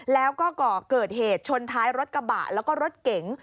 แล้วก็ก่อเหตุชนท้ายรถกระบะแล้วก็รถเก๋ง